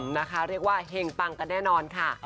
นะคะเรียกว่าเห็งปังกันแน่นอนค่ะ